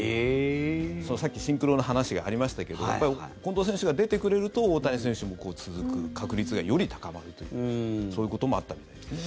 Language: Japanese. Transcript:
さっきシンクロの話がありましたけど近藤選手が出てくれると大谷選手も続く確率がより高まるというそういうこともあったりでね。